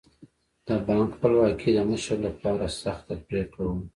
د بانک خپلواکي د مشر لپاره سخته پرېکړه وه.